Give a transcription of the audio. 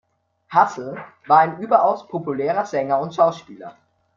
Hassel war ein überaus populärer Sänger und Schauspieler.